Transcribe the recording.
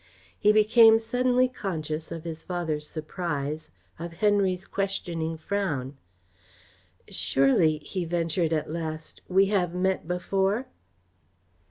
He became suddenly conscious of his father's surprise, of Henry's questioning frown. "Surely," he ventured at last, "we have met before?"